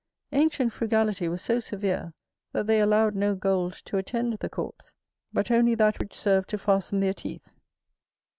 Ancient frugality was so severe, that they allowed no gold to attend the corpse, but only that which served to fasten their teeth.